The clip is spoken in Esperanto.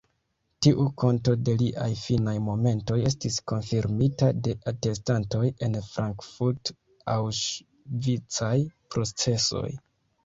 Tiu konto de liaj finaj momentoj estis konfirmita de atestantoj en la frankfurt-aŭŝvicaj procesoj.